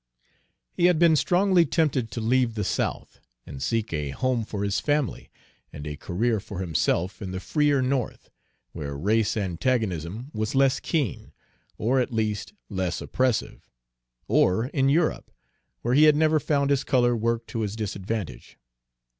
He had been strongly tempted to leave the South, and seek a home for his family and a career for himself in the freer North, where race antagonism was less keen, or at least less oppressive, or in Europe, where he had never found his color work to his disadvantage.